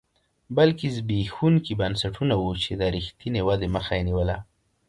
بلکې زبېښونکي بنسټونه وو چې د رښتینې ودې مخه یې نیوله